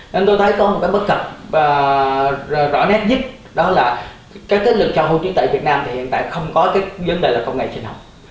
nên tôi thấy có một cái bất cập rõ nét nhất đó là các lực sâu hữu trí tuệ việt nam thì hiện tại không có cái vấn đề là công nghệ sinh học